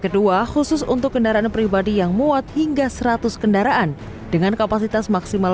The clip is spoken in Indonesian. kedua khusus untuk kendaraan pribadi yang muat hingga seratus kendaraan dengan kapasitas maksimal